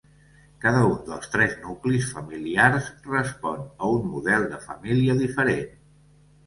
Cada un dels tres nuclis familiars respon a un model de família diferent.